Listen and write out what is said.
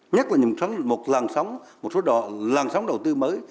nhất là nhìn sáng một làng sóng một số làng sóng đầu tư mới